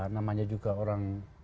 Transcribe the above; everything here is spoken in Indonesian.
namanya juga orang